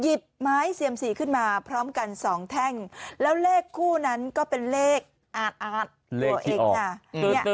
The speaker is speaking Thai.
ไม้เซียมซีขึ้นมาพร้อมกันสองแท่งแล้วเลขคู่นั้นก็เป็นเลขอาดตัวเองจ้า